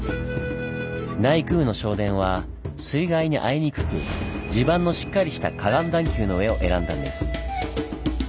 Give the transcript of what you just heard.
内宮の正殿は水害に遭いにくく地盤のしっかりした河岸段丘の上を選んだんです。